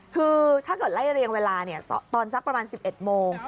คือถ้าเกิดไล่เรียงเวลาตอนสักประมาณ๑๑โมง